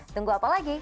tunggu apa lagi